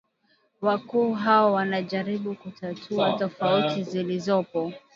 Wakuu hao wanajaribu kutatua tofauti zilizopo